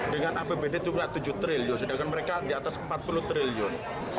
dengan apbd jumlah tujuh triliun sedangkan mereka di atas empat puluh triliun